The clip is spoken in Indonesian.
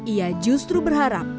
ia justru berharap